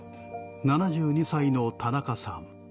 ７２歳の田中さん